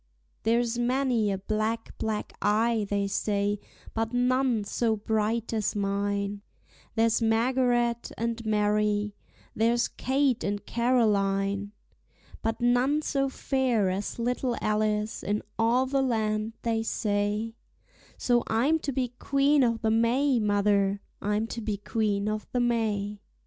There's many a black, black eye, they say, but none so bright as mine; There's Margaret and Mary, there's Kate and Caroline; But none so fair as little Alice in all the land, they say: So I'm to be Queen o' the May, mother, I'm to be Queen o' the May.